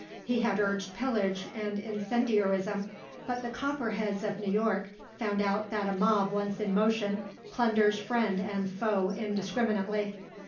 He had urged pillage and incendiarism; but the Copperheads of New York found out that a mob once in motion plunders friend and foe indiscriminately.